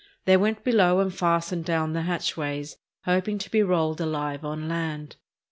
They went below and fastened down the hatchways, hoping to be rolled alive on land.